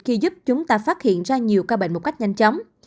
khi giúp chúng ta phát hiện ra nhiều ca bệnh một cách nhanh chóng